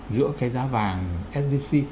giữa cái giá vàng sgc